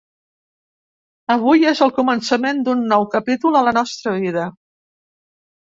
Avui és el començament d’un nou capítol a la nostra vida.